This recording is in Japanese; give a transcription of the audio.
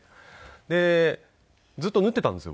でずっと縫っていたんですよ